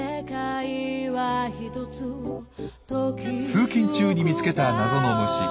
通勤中に見つけた謎の虫。